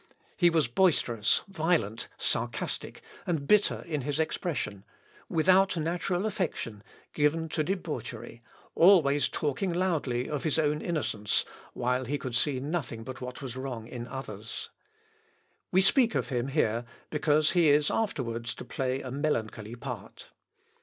He was boisterous, violent, sarcastic, and bitter in his expression, without natural affection, given to debauchery, always talking loudly of his own innocence, while he could see nothing but what was wrong in others. We speak of him here because he is afterwards to play a melancholy part.